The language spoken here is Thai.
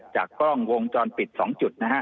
จากกล้องวงจรปิด๒จุดนะฮะ